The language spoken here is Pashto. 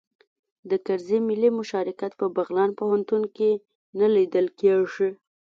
د کرزي ملي مشارکت په بغلان پوهنتون کې نه لیدل کیږي